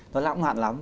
nó lãng hoạn lắm